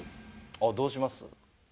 あっどうします？